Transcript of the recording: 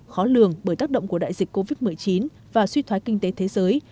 khó lường bởi tác động của đại dịch covid một mươi chín và suy thoái kinh tế thế giới